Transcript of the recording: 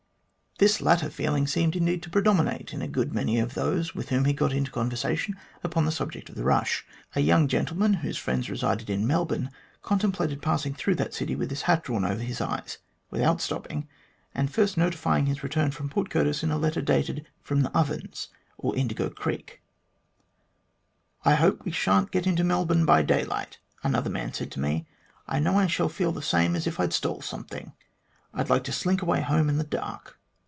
This latter feeling seemed indeed to predominate in a good many of those with whom he got into conversation upon the subject of the rush. A young gentleman, whose friends resided in Melbourne, contemplated passing through that city with his hat drawn over his eyes, without stopping, and first notifying his return from Port Curtis in a letter dated from the Ovens, or Indigo Creek. " I hope we shan't get into Melbourne by daylight," another man said to me ; "I know I shall feel the same as if I'd stole something. I'd like to slink away home in the dark."